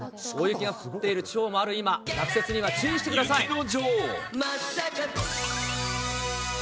大雪が降っている地方もある今、落雪には注意してください。